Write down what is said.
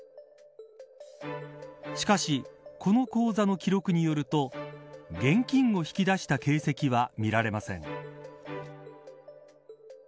しかし、この口座の記録によると現金を引き出した形跡は見られません。